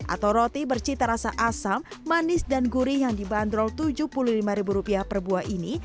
atau roti bercita rasa asam manis dan gurih yang dibanderol rp tujuh puluh lima per buah ini